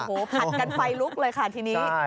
โอ้โหผัดกันไฟลุกเลยค่ะทีนี้